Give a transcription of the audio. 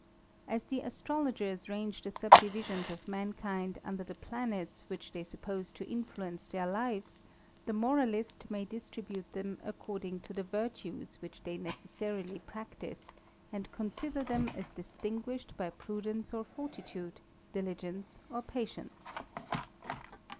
As the astrologers range the subdivisions of mankind under the planets which they suppose to influence their lives, the moralist may distribute them according to the virtues which they necessarily practise, and consider Ihem as distinguished by prudence or fortitude, diligence or patience.